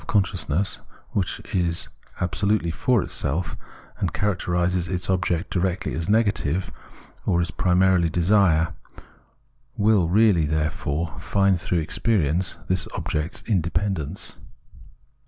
Self consciousness, which is abso lutely for itself, and characterises its object directly as negative, or is primarily desire, will really, therefore, find through experience this object's independence.